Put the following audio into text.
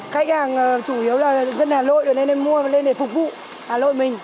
khách hàng chủ yếu là dân hà nội nên nên mua lên để phục vụ hà nội mình